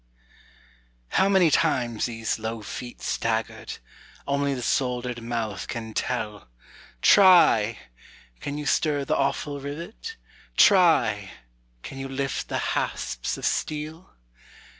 How many times these low feet staggered, Only the soldered mouth can tell; Try! can you stir the awful rivet? Try! can you lift the hasps of steel?